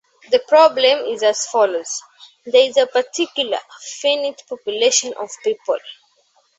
The problem is as follows: There is a particular, finite population of people.